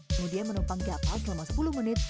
kemudian menumpang kapal selama sepuluh menit